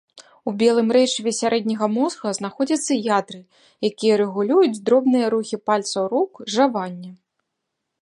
У белым рэчыве сярэдняга мозга знаходзяцца ядры, якія рэгулююць дробныя рухі пальцаў рук, жаванне.